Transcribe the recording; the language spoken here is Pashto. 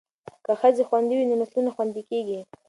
که ښځې خوندي وي نو نسلونه خوندي کیږي.